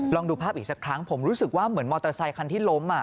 ดูภาพอีกสักครั้งผมรู้สึกว่าเหมือนมอเตอร์ไซคันที่ล้ม